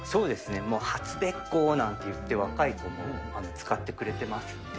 もう初べっ甲なんて言って、若い子も使ってくれてますんで。